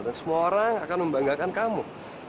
dan semua orang akan membanggakan kamu